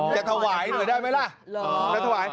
จะถวายหน่อยได้ไหมล่ะ